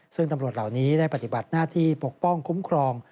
ซึ่งตำรวจเหล่านี้ได้ปฏิบัติหน้าที่ปกป้องคุ้มครอง